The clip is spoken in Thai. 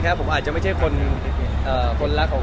พี่พอร์ตทานสาวใหม่พี่พอร์ตทานสาวใหม่